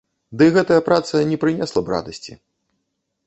Дый гэтая праца не прынесла б радасці.